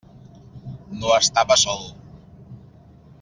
No estava sol.